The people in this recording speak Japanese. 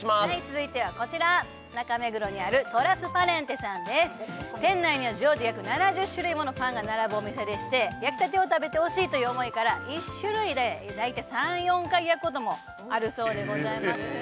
続いてはこちら店内には常時約７０種類ものパンが並ぶお店でして焼きたてを食べてほしいという思いから１種類で大体３４回焼くこともあるそうでございます